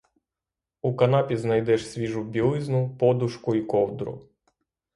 У канапі знайдеш свіжу білизну, подушку й ковдру.